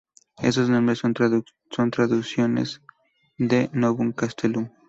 Esos nombres son traducciones de "Novum Castellum".